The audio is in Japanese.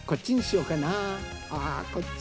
あこっち？